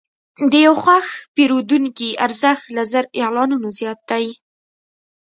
د یو خوښ پیرودونکي ارزښت له زر اعلانونو زیات دی.